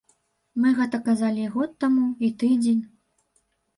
Мы гэта казалі і год таму, і тыдзень.